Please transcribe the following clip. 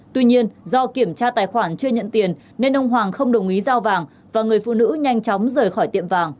tuy nhiên do kiểm tra tài khoản chưa nhận tiền nên ông hoàng không đồng ý giao vàng và người phụ nữ nhanh chóng rời khỏi tiệm vàng